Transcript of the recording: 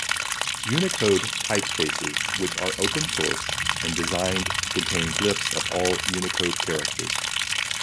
Unicode typefaces which are open-source and designed to contain glyphs of all Unicode characters.